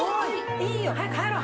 いいよ早く入ろう。